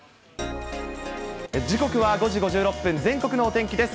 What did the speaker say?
時刻は５時５６分、全国のお天気です。